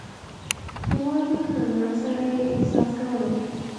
یوازې په زړه سره یې احساس کولای شو.